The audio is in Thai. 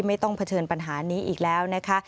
ต้องเผชิญปัญหานี้อีกแล้วนะคะ